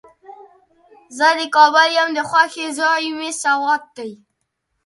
زه د کابل یم، د خوښې ځای مې سوات دی.